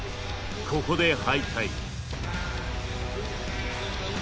ここで敗退。